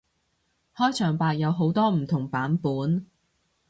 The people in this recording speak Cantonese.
開場白有好多唔同版本